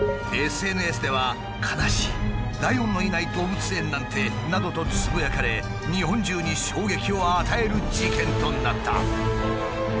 ＳＮＳでは「悲しい」「ライオンのいない動物園なんて」などとつぶやかれ日本中に衝撃を与える事件となった。